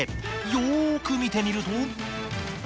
よく見てみると。